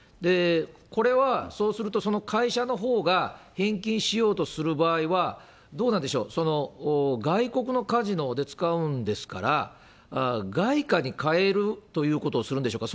これはそうすると、その会社のほうが返金しようとする場合は、どうなんでしょう、外国のカジノで使うんですから、外貨に換えるということをするんでしょうか。